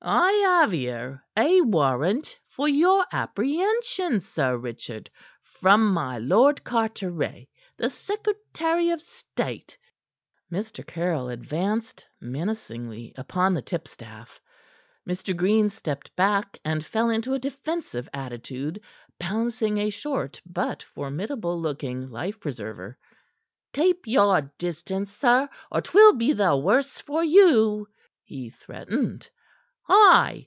"I have here a warrant for your apprehension, Sir Richard, from my Lord Carteret, the secretary of state." Mr. Caryll advanced menacingly upon the tipstaff. Mr. Green stepped back, and fell into a defensive attitude, balancing a short but formidable looking life preserver. "Keep your distance, sir, or 'twill be the worse for you," he threatened. "Hi!"